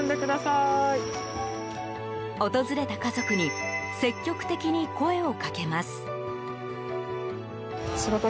訪れた家族に積極的に声をかけます。